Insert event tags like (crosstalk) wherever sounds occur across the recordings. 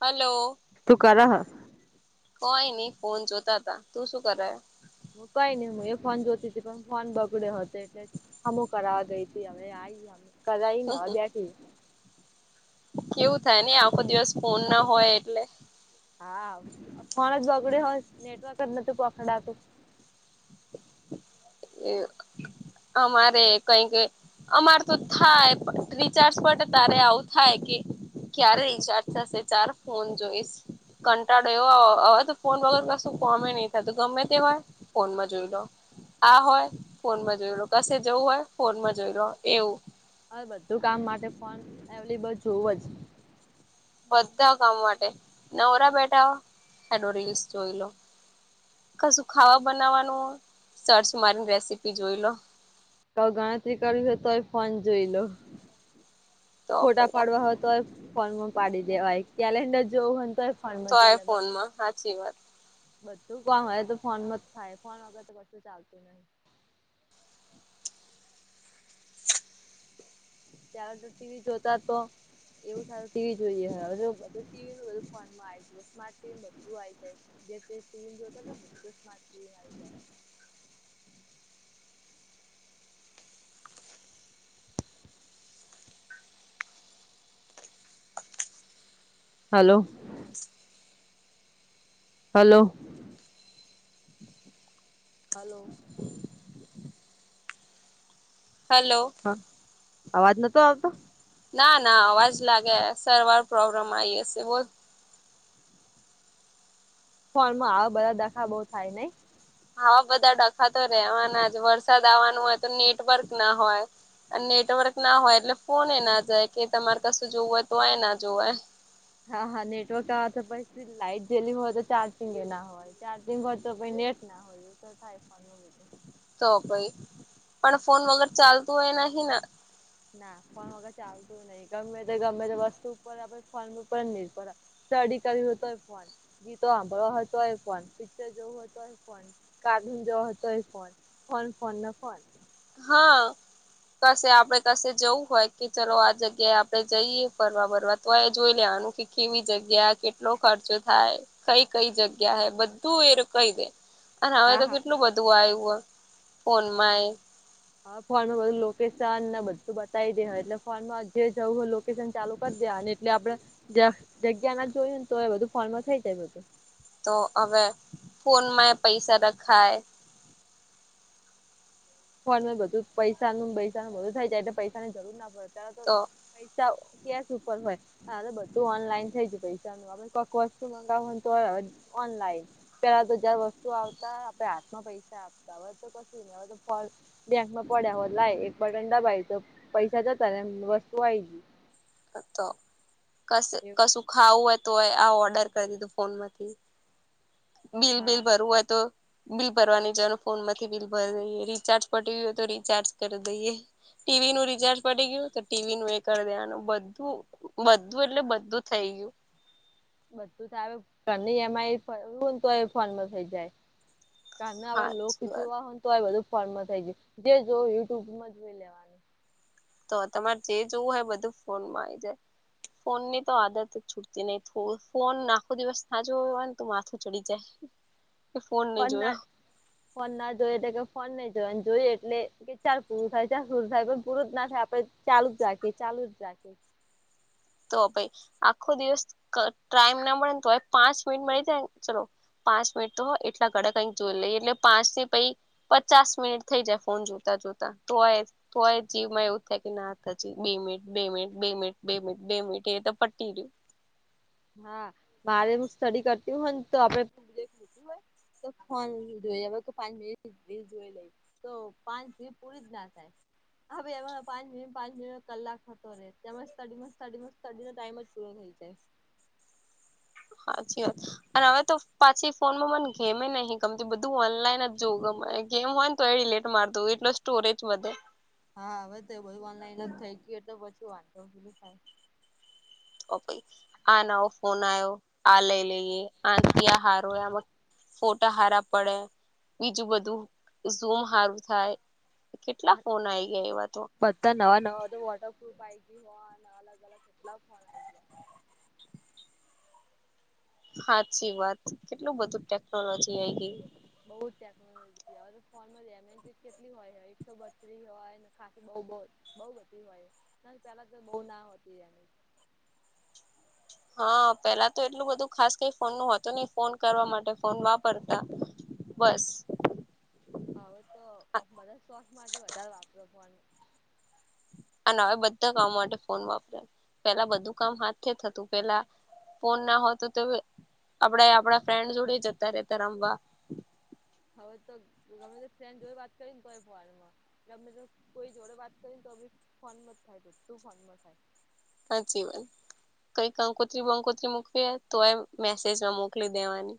Hello તું કરહ કોઈ નહી ફોન જોતા હતા તું શું કરે? હું કઈ નઈ હું એ ફોન જોતી હતી પણ ફોન બગડ્યો હતો એટલે હમુ કરાવ ગઈ તી હવે આઈ કરાઈને હવે બેઠી કેવું થાય ને આખો દિવસ ફોન ના હોય એટલે હા ફોન જ બગડ હોય નેટવર્ક જ નતું કોખડાતું. એ અમારે કઈક અમાર તો થાય રિચાર્જ પડ તારે આવું થાય કે ક્યારે રિચાર્જ થશે ચાર ફોન જોઈશ? કંટાળો એવો હવે તો ફોન વગર કશું કોમે નહી થાય ગમે તેવાય ફોનમાં જોઈ લો. આ હોય ફોનમાં જોઈ લો કશે જવું હોય ફોનમાં જોઈ લો એવું હવે બધું કામ માટે ફોન અવેલેબલ જોવું જ. બધા કામ માટે નવરા બેઠા એડ રીલ્સ જોઈ લો કશું ખાવા બનાવવાનું સરર્ચ મારીને રેસીપી જોઈ લો ક ગણતરી કરવી તોય ફોન જોઈ લો તો ફોટા પાડવા હોય તો ફોર્મમાં પાડી દેવા હોય કેલેન્ડર જોવું હોય તો તો આય ફોનમાં સાચી વાત બધું કોણ હોય તો ફોન જ થાય ફોન વગર તો કશું ચાલતું નહી. ત્યારે ટીવી જોતા તો એવું સારું ટીવી જોઈએ હધ ટીવી નું બધું ફોનમાં આવીમાર્ટ ટ બધું આવી જાય જે ટીવી જોને બધું સ્માર્ ટીવીન આવી જાય. હલો (inaudible) હલો હલો હલો હા અવાજ નતો આવતો ના ના અવાજ લાગે સરવાર પ્રોબ્લેમ આવી હશે બ ફોર્માં આવા બધા દખા બહુ થાય નને હવા બધા ડખાતો રહેેવાના જ વરસાદ આવવાનું હોય તો નેટવર્ક ના હોય. અને નેટવર્ક ના હોય એટલે ફોન એ ના જાય કે તમારે કશું જોવું હોય તો એ ના જોવાય. હા હા નેટવર્ક આ તો પછ લાઈટ જેયેલી હોય તો ચાર્જિંગ એ ના હોય. ચાર્જિંગ હો તો નેટ ના હોય થાય ફોન ન બધું. તો ભાઈ પણ ફોન વગર ચાલતું એ નહ ના ના ફોન વગર ચાલતું નહી ગમે તો ગમે તે વસ્તુ ઉપર ફોન ઉપર નહી પ સ્ટડી કર્યું હતોય ફોન ગીતો સાંભળવા હતો એ ફોન પિક્ચર જવું હતો. ફ કાઢ જો હતોય ફોન ફોન ફોન ના ફોન હા કશે આપડે કશે જવું હોય કે ચલો આ જગ્યાએ આપણે જઈએ ફરવા બરવા. તો એ જોઈ લેવાનું કે કેવી જગ્યા કેટલો ખર્ચો થાય. કઈ કઈ જગ્યા હૈ બધું એ કઈ દે અને હવે હા તો હા કેટલું બધું આવ્યું ફોનમાં એ હા ફોનમાં બધ લોકેશન ને બધું બતાવી દે હો એટલે ફોનમાં જે જવું હો ચાલુ કરી દે એટલે આપે જગ્યા ના જોયું ને તો એ બધું ફોર્માં થઈ જાય બધું. તો હવે ફોનમાં એ પૈસા રખાય ફોન બધું પૈસાનું પૈસાનું બધું થાય જાયટલે પૈસાની જરૂર ના પડે અ્યારે તો પૈસા કેશ ઉપર હોય બધું ઓનલાઈન થઈ જ પૈસા ન મે કક વસ્તુ મગાવ તો અનલાઇન પેલા તો જાર વસ્તુ આવતા આપડે હાથમાં પૈસા આપતા હવે તો કશું હ તો બ બેકમાં પડ્યા હો લાય એક બટન દબાય તો પૈસા જ હતા વસ્તુ વય. તો એવું કશું ખાવું હોય તો આ ઓર્ડર કરી દીધું ફોન માંથી બિલ બિલ હા ભરવું હોય તો બિલ ભરવાની જનું ફોન માંથી બિલ ભરી દઈએ રીચાર્જ પ હોય તો રીચાર્જ કરી દઈએ ટીવી નું રિચાર્જ પડી ગયું તો ટીવી નું એ કરી દેવાનું બધું. બધું એટલે બધું થઈ ગયું. બધું તો આવે ઘ ન એઈ તો ફોન માં થઈ જાય. કારના હવે લોક હાચી વાત જોવા હોય તો બધું ફોમ થઈ ગયું જે જોય યુટ્યુબમાં જોઈ લેવાનું. તો તમારે જે જોવું હોય બધું ફોનમાં આવી જાય. ફોન ની તો આદત છૂટતી નહીિ થો ફોન આખો દિવસ સાજ હોય ને તો માથું ચડી જાય. કે ફોન બ નહી જોયો ફોન ના જોઈએ એટ કે ફોન નહી જોય જોઈએ એટલે કે ચાર પૂરું થાય ચા પૂરું થાય પણ પૂરું જ ના થાય આપડે ચાલુ જાકે ચાલુ જાકે તો પઈ આખો દિવસ ટાઈમ ના મળે ને તોયે પાંચ મિનિટ મળી જાય. ચલો પાંચ મિનિટ તો હો એટલા કડકાઈ જોઈ લઈએ એટલે પાંચ થી પઈ પચાસ મિનિટ થઈ જાય ફોન જોતા જોતા. તોય તોયે જીવમાં એવું થાય કે ના હતા જ બે મિનિટ, બે મિનિટ, બે મિનિટ, બે મિનિટ... બેમિટ એતો પટી ગીયું. હા મારે હું સ્ટડી કરતી હોય ને તો આપડેખ લું હોય. તો ફોન જોઈ હવે કે પાંચ મિનિટ જોઈ લઈ તો પાંચ પૂરી જ ના થાય હ એમાં પાંચ મિનિટ, પાંચ મિનિટ કલાક થતો તમ સ્ટડીમ સ્ટડીમ સ્ટડી નો ટાઈમ જ પૂરો થઈ જાય. હાચી વા અને હવે તો પાછી ફોનમાં મને ગેમે નહી ગમતી બધું ઓનલાઈન જ જોવું ગમે ગેવહો. તોઈલેટ માર દઉં એટલે સ્ટોરેજ વધે. હા હવે તો બધુ ઓનલાઈન જ થઈ ગીયું તો પછી વાંધો ની થાય. ઓકે આ વો ફોન આયવો આ લઈ લઈએ આથી આ હારો આમાં ફોટા હારા પડે, બીજું બધું ઝૂમ હારું થાય. કેટલા ફોન આવી ગયા એવા તો. બધા નવા નવા તો વોટરપુફ આ હો અલગ અલગ કેટલા ફોન આ હાચી વાત કેટલું બધું ટેકનોલોજી આયી ગઈ. બઉ જ ટેકનોલોજી હવે ફોન એમજ કેટલી હોય એકસો બત્રીસ હોયને ખાાસ બઉ બ બઉ બધી હોય ના પેલા તો બો ના હોતી એની. હા પેલા તો એટલું બધું ખાસ કઈ ફોન નું હોતું નહિ ફોન કરવા માટે ફોન વાપરતા બસ હવે તો બધા શોસ માટે વધારે વાપરો પન અને હવે બધા કામ માટે ફોન વાપરે. પેલા બધું કામ હાથ થી થતું પેલા ફોન ના હોતું તો આપડે આપડા ફ્રેન્ડ જોડે જતા રતા રમવા. હવે તો ગમે ફ્રેન્ડ જો વાત કરીને તો (unintelligible) માં એમને તેમ કોઈ જોડે વાત કરી તો બી ફોનમાં જ થાય તો બધ્ધું ફોનમાં થાય. હાચી વાત. કંઈ કંકોત્રી વંકોત્રી મૂકવે તો એમ મેસેજમાં મોકલી દેવાની.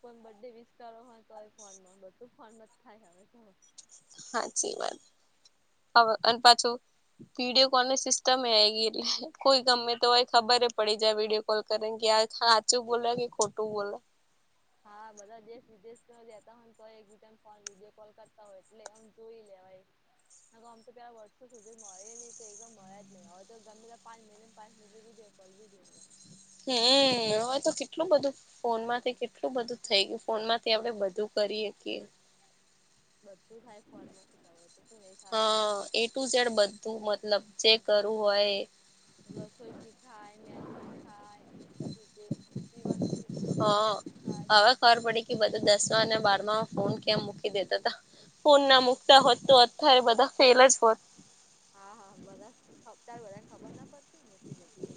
કોઈને બડે વિસ કરવુ હોય તોય ફોનમાં બધું ફોનમાં જ થાય હવે. હાચી વાત. અવે અને પાછું વિડીયો કોલ ની સિસ્ટમએ આવી ગઈ એટલે કોઈ ગમે તો હોય ખબર પડી જાય વિડીયો કોલ કરે કે, આ હાચું બોલ કે ખોટું બોલો. હા બધા દેશ વિદેશ જતા હોયને તો એક બીજા ને ફોન વિડીયો કોલ કરતા હોય એટલે એમ જોઈ લેવાય. હા આમ તો પેલા વર્ષો સુધી મળે ની તો એમ મળ્યા જ નઈ હવે તો ગમે ત તો પાંચ મિનિટ, પાચ મિનટી દે (unintelligible) કલવી જો. હમ હવે તો કેટલું બધું ફોનમાંથી કેટલું બધું થઈ ગીયું ફોનમાંથી આપડે બધું કરીએ કે. બધું થાય ફોનમાંથી તા હોય તો શું નઈ થાતો. તું સેડ બધું મતલબ જે કરું હોય એ રસોઈ શીખાય મેદું શીખાય પછી જે પીવાનું શીખ હ હવે ખબર પડી કે બધું દસમાં અને બારમા ફોન કેમ મૂકી દેતા તા ફોન ના મુકતા હોત તો અત્યારે બધા ફેલ જ હોત. હા હા બધા ખપતા બધા એન ખબર ના પડતી ને એટલી બધી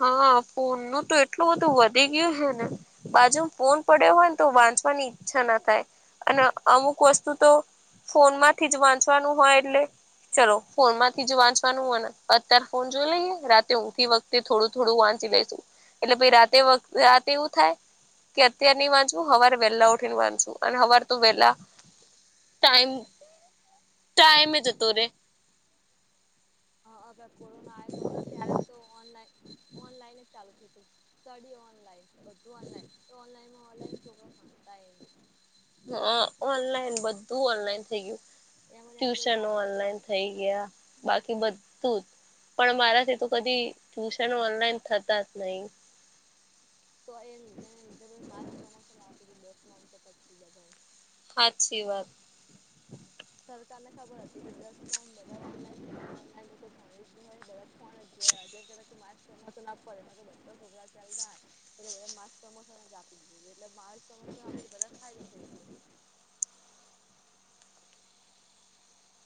હા ફોન નુ તો એટલું બધું વધી ગીયું હે ને. બાજુ ફોન પડ્યો હોય ને તો વાંચવાની ઈચ્છા ના થાય અને અમુક વસ્તુ તો ફોનમાંથી જ વાંચવાનું હોય એટલે. ચલો ફોનમાંથી જ વાંચવાનું હો ને અત્યારે ફોન જોઈ લઈએ રાતે ઊંઘથી વખ તે થોડું થોડું વાંચી લઈશું એટલે પછી રાતે રાતે એવું થાય કે અત્યાર નઈ વાચવું હવાર વેલા ઉઠીને વાંચવું હવાર તો વેલા ટાઈમ ટાઈમે જતો રે. હા હ (unintelligible) કોરોના આવે ખબર ત્યારે તો ઓનલાઈન ઓનલાઈન જ ચાલુ થિયુ તું સ્ટડી ઓનલાઈન બધું ઓનલાઈન તો ઓનલાઈનમાં ઓનલાઈન છોકરા ભણતાએ હઅ ઓનલાઈન બધું ઓનલાઈન થઈ ગયું એમાં એમાં ટ્યુશન માર્ક્સ ઓનલાઈન થઈ ગ્યા બાકી બધું જ પણ મારાથી તો કદી ટ્યુશન ઓનલાઈન થતા જ નહી. તો એ લીધે એને લીધે માસ પ્રમોશન આપી દીધા (inaudible) હાચી વાત સરકાર ને ખબર હતી કે દસ માં બધા ઓનલાઈન ભણ્યા ઓનલાઈન તો કોઈ ભણિયું જ નઈ હોય બધા ફોન જ જોયા (unintelligible) મા પ્રમોશન આપવા દે નકર બધા છોકરા ફેલ થાહે એટલે બધા ન માસ પ્રમોશન જ આપ એટલે માલ પ્રમોશન આપે એટલે બધા ન ફાયદો થઈ ગ્યો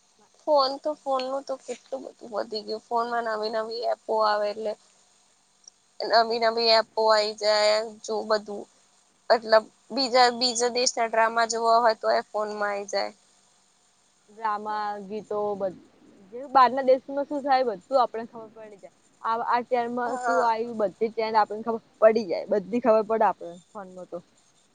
(inaudible) ફોન તો ફોનનું તો કેટલું બધું વધી ગ્યું ફોનમાં નવી નવી એપો આવે એટલે (inaudible) નવી નવી એપો આઈ જાયન જો બધું મતલબ બીજા બીજા દેશના ડ્રામા જોવા હોય તો એ ફોનમાં આઈ જાય ડ્રામા ગીતો બધ જે બહાર ના દેશમાં શું થાય બધું આપડેન ખબર પડી જાય. આ ત્યાર માં શું હા આયું બધ (inaudible) ચેન્જ આપણને ખબર પડી જાય બધી ખબર પડ આપણન ફોન માં તો.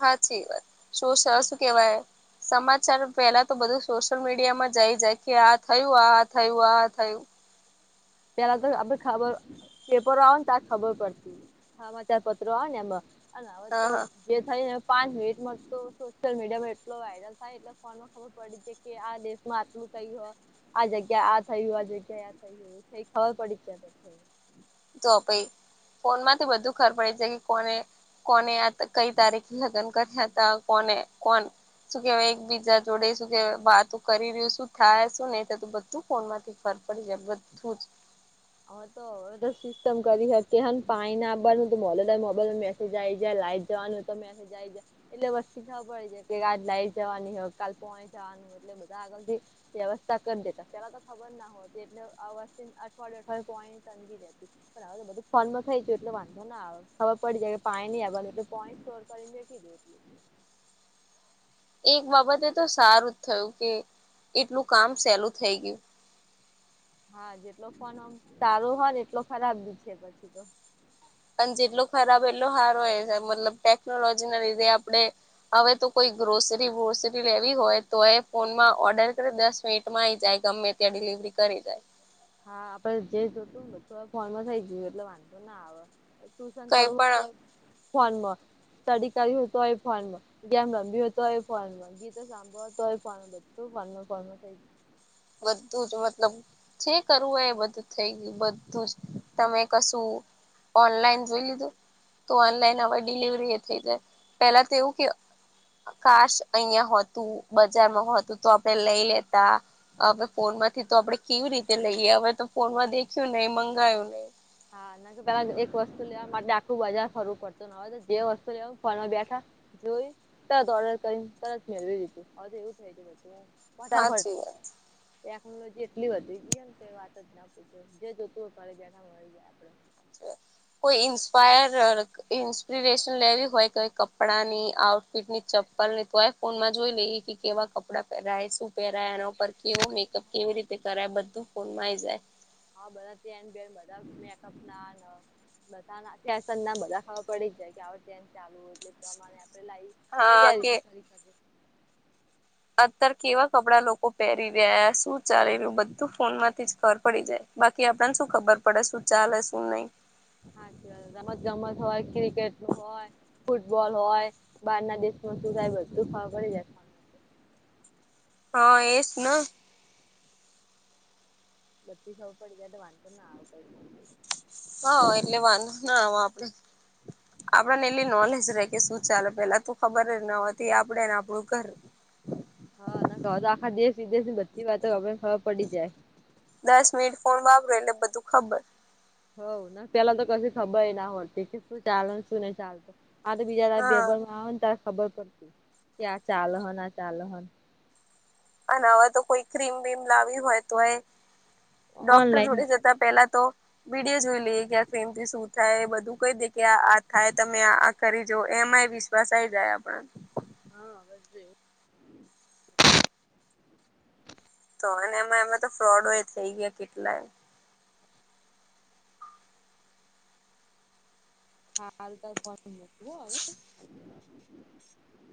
હાચી વાત સોશ શું કેવાય સમાચાર પેલા તો બધું સોશિયલ મીડિયામાં જ આઈ જાય કે આ થયું આ આ થયું આ થયું. પેલા તો આપડ ખબર પેપરો આવેન તાર ખબર પડતી હમાંચાર પત્રો આવે ને એમાં. અન હવે હા તો હા જે થઈ ને પાંચ મિનિટ સો સોશિયલ મીડિયામાં એટલો વાયરલ થાય એટલે ફોન ખબર પડી છે કે આ દેશમાં આટાંલૂ થયું હ આ જગ્યા આ થયું આ જગ્યા આ થયુ. એ ખબર પડી છે જાય તો પઈ ફોન માંથી બધું ખબર પડે છે કે કોને કોને આ કઈ તારીખે લગ્ન કર્યા હતા કોને કોણ શું કેવા એક બીજા જોડે શું કે વાતો કરી રહ્યું શું થાય શું નહું થતું બધું ફોન માંથી ફર પડી જાય બધું જ હ તો લ સિસ્ટમ કરી હકીકે પાણી ના આબાનું તો મોરલે દાડ મોબાઈલમાં મેસેજ આઈ જાય લાઈટ જવાનું તો મે જાય જ એટલે વસ્તી ખબર પડી છે કે આજ લાઈટ જવાની હોય કાલ પોણી જવાન એટ બધા આગળથી વ્યવસ્થા કર દેતા પેલા તો ખબર ના હોતી એટલે અ ઑર્ડર થાય પોણી ન ટંકી છે પણ હવે તો બધું ફોન થઈ જ્યું એટલે વાંધો ના આવ ખબર પડી જાય કે પાણી નઈ આબાનું એટલે પોણી (unintelligible) પલ ચેકી દે એક બાબતે તો સારું જ થયું કે એટલું કામ સેલું થઈ ગ્યું હા જેટલો ફોન અ સારો હન એટલો ખરાબ બી છે પછી તો પણ જેટલો ખરાબ એટલો હારો એ છે મતલબ ટેકનોલોજી ના લીધે આપડે હવે તો કોઈ ગ્રોસરી બ્રોસરી લેવી હોય તો એ ફોનમાં ઓર્ડર કરે દસ મિનિટમાં આઈ જાય ગમે ત્યાં ડિલિવરી કરી જાય. હા આપડે જે જોતું ને બધું ફોનમાં થઈ ગયું એટલે વાંધો ના આવે. ટ્યુશન કઈ કરવું હોય તો પણ ફોનમાં સ્ટડી કરવી હોય તો એ ફોન માં ગેમ રમવી હોય તોએ ફોનમાં ગીતો સાંભળવા તો હોય ફોન બધું ફોનમાં ફોનમાં છે બધું જ મતલબ જે કરવું હોય એ બધું થઈ ગ્યું બધું જ તમે કશું ઓનલાઈન જોઈ લીધું તો ઓનલાઈન હ ડિલવરી એ થઈ જાય પેલા તો એવું કે કાસ અહંતું બજારમાં હોતું તો આપડે લઈ લેતા હવે ફોન માંથી તો આપડે કેવી રીતે લઈએ હવે તો ફોનમાં દેખ્યું નહી મંગાયું નહી. હા ના કે પેલા એક વસ્તુ લેવા માટે આખું બજાર ફરું પડતું ને હવે જે વસ્તુ લેવા ફ બેઠા જોઈ તરત ઓર્ડર કરીને તરત મેળવી દીધું હવે તો એવું થાય ગ બધું. ફટાફટ હાચી વાત ટેકનોલોજી એટલી વધી ગઈ ને વાત જ ના પૂછો જે જોતુંય પડે જ એને મળી જાય. (inaudible) કોઈ ઇન્સ્પાયર ઇન્સ્પિરેશન લેવી હોય કે કપડાં ની આઉટફિટની ચપ્પલ ની તોય ફોનમાં જોઈ લઈએ કે કેવા કપડાં પહેરાય શું પહેરાય એના પરર કેવો મેકઅપ કેવી રીતે કરાય બધું. ફ માાઈ જાય. હા બધા તન બેન બધા મેકઅપ ના બધા નાસ ના બધા ખાવા પડી જાય કે આવડ ચાલુ એટલે પ્રમાણે આપણે લાવ હા તૈયારી કે બી કરીરીજ અત્યારે કેવા કપડા લોકો પહેરી રહ્યા શું ચાલી રહ્યું બધું ફોનમાંથી જ ખર પડી જાય. બાકી આપેને શું ખબર પડે શું ચાલે શું નહી. હાચ વાત રમત ગમત હોય ક્રિકેટ નું હોય. ફૂટબોલ હોય બહાર ના દેશમાં શું થાય બધું ખ કરી જાય. ફોનમાં હા એસ ન બતીી સૌ પડી ગ દવા ના કઈ હા એટલે વાંધો ના આપડે આપણને એટલી નોલેજ ર કે શું ચાલે પેલા તું ખબર જ ન હોતી આપડે ને આપણું ઘર હા ના કહો તો આખા દેશ વિદેશ ની બધી વાતો આપને ખબર પડી જાય. દસ મિનિટ ફોન વાપરો એટલે બધું ખબર હ ના પેલા તો કશ ખબર ના હોતી કે શું ચાલે શું નહી ચાલતું. હા તો બીજા તારે હા પેપરમાં આવે ને તારે ખબર પડતી કે આ ચાલો હન આ ચાલો હન અને હવે તો કોઈ ક્રીમ બીમ લાવી હોય તોએ ડોક્ટર જોડે ઓનલાઈનમાં જતા પેલા તો વિડીયો જોઈ લઈએ કે આ ક્રિમથી શું થાય બધું કઈ દે કે આ થાય તમે આ કરી જો એમાંય વિશ્વાસ આ આય જાય આપણા હા આવેશે તો અને એમાં એમાં તો ફ્રોડ હોય થઈ ગયા કેટલાંય હારુ તાર ફોન મૂકુ હો હવે